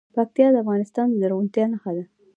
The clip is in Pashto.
پکتیکا د افغانستان د زرغونتیا نښه ده.